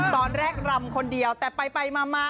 ตอนแรกลำคนเดียวแต่ไปมา